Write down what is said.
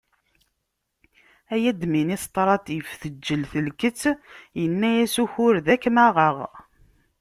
Ay administratif teǧǧel telkett yenaya-s ukured akem aɣeɣ.